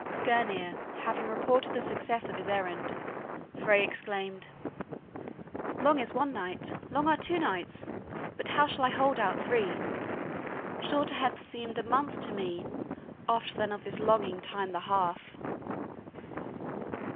Skirnir having reported the success of his errand, Frey exclaimed: "Long is one night, Long are two nights, But how shall I hold out three? Shorter hath seemed A month to me oft Than of this longing time the half."